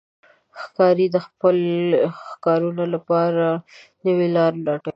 ښکاري د خپلو ښکارونو لپاره نوې لارې لټوي.